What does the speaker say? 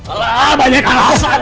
alah banyak alasan